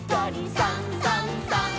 「さんさんさん」